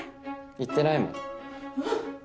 言ってないもん。